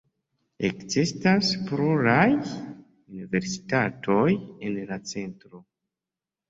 Ekzistas pluraj universitatoj en la centro.